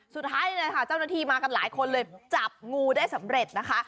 สุดท้ายเลยค่ะเจ้าหน้าที่มากันหลายคนเลยจับงูได้สำเร็จนะคะ